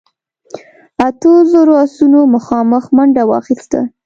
اتو زرو آسونو مخامخ منډه واخيسته.